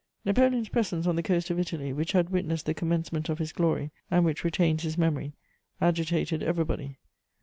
Napoleon's presence on the coast of Italy, which had witnessed the commencement of his glory and which retains his memory, agitated everybody.